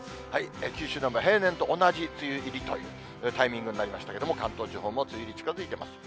九州南部、平年と同じ梅雨入りというタイミングになりましたけれども、関東地方も梅雨入り近づいてます。